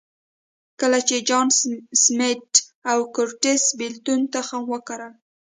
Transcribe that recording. کله چې جان سمېت او کورټس بېلتون تخم وکرل.